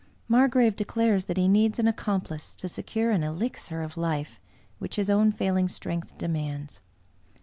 Margrave declares that he needs an accomplice to secure an *' elixir of Hfe" which his own failing strength demands.